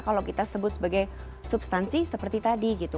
kalau kita sebut sebagai substansi seperti tadi gitu